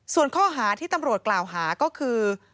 ส่วนข้อหาที่ตำรวจกล่าวหาก็คือ